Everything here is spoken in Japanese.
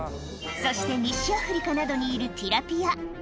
そして、西アフリカなどにいるティラピア。